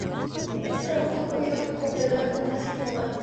Este trabajo fue acogido con frialdad, como una "simple moda".